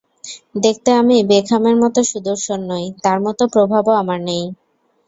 দেখতে আমি বেকহামের মতো সুদর্শন নই, তাঁর মতো প্রভাবও আমার নেই।